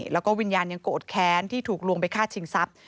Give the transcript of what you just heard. แล้วก็วิญญาณยังโกรธแค้นที่ถูกลวงไปฆ่าชิงทรัพย์